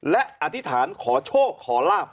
และอธิษฐานขอโชคขอลาบ